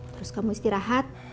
terus kamu istirahat